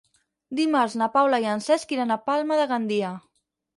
Dimarts na Paula i en Cesc iran a Palma de Gandia.